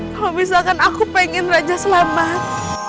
kalau misalkan aku pengen raja selamat